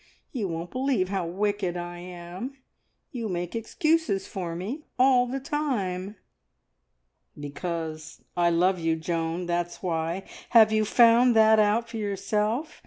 You won't believe how wicked I am. You make excuses for me all the time." "Because I love you, Joan, that's why! Have you found that out for yourself?